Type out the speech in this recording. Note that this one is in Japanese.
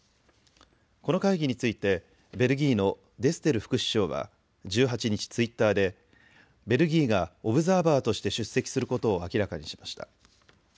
この会議についてベルギーのデステル副首相は１８日、ツイッターでベルギーがオブザーバーとして出席することを明らかにしました。